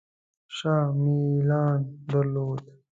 شاه میلان درلود.